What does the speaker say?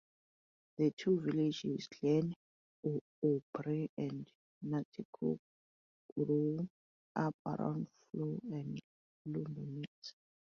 The two villages, Glen Aubrey and Nanticoke, grew up around flour and lumber mills.